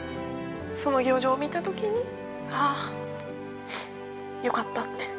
その表情を見たときに、ああ、よかったって。